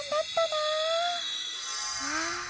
ああ。